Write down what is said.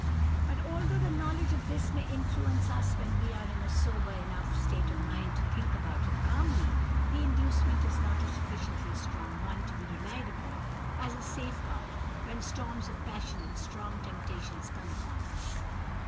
"But although the knowledge of this may influence us when we are in a sober enough state of mind to think about it calmly, the inducement is not a sufficiently strong one to be relied upon as a safe guard, when storms of passion and strong temptations come upon us.